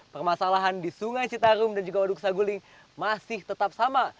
permasalahan di sungai citarum dan juga waduk saguling masih tetap sama